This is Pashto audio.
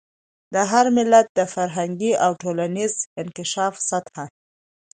د هر ملت د فرهنګي او ټولنیز انکشاف سطح.